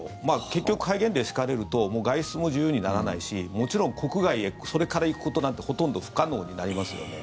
結局、戒厳令を敷かれると外出も自由にならないしもちろん国外へそれから行くことなんてほとんど不可能になりますよね。